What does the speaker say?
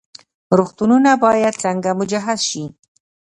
روغتونونه باید څنګه مجهز شي؟